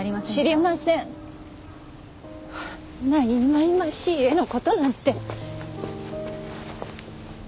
あんないまいましい絵の事なんて！